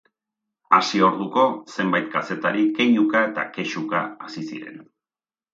Hasi orduko, zenbait kazetari keinuka eta kexuka hasi ziren.